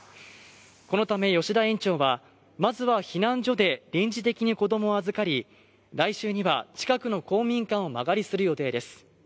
このため吉田園長は、まず避難所で臨時的に子供を預かり、来週には、近くの公民館を間借りする予定です。